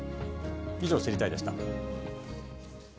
以上、知りたいッ！でした。